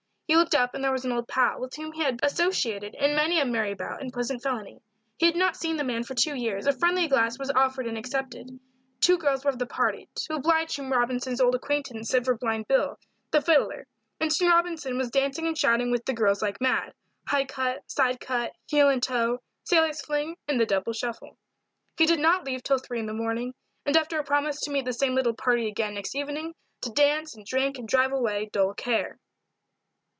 He looked up and there was an old pal, with whom he had been associated in many a merry bout and pleasant felony; he had not seen the man for two years; a friendly glass was offered and accepted. Two girls were of the party, to oblige whom Robinson's old acquaintance sent for Blind Bill, the fiddler, and soon Robinson was dancing and shouting with the girls like mad "High cut," "side cut," "heel and toe," "sailor's fling," and the double shuffle. He did not leave till three in the morning, and after a promise to meet the same little party again next evening to dance and drink and drive away dull care.